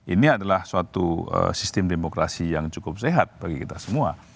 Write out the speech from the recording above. ini adalah suatu sistem demokrasi yang cukup sehat bagi kita semua